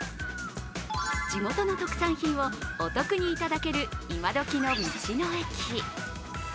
地元の特産品をお得にいただける今どきの道の駅。